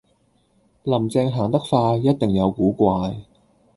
林鄭行得快,一定有古怪